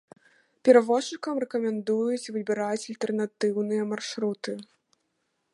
Перавозчыкам рэкамендуюць выбіраць альтэрнатыўныя маршруты.